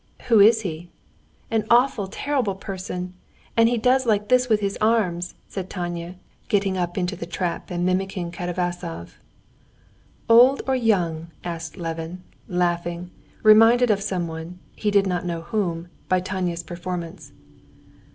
"Who is he?" "An awfully terrible person! And he does like this with his arms," said Tanya, getting up in the trap and mimicking Katavasov. "Old or young?" asked Levin, laughing, reminded of someone, he did not know whom, by Tanya's performance.